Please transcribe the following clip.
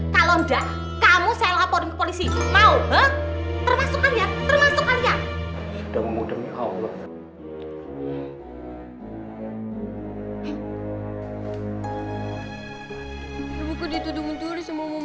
kalau enggak kamu saya laporin ke polisi mau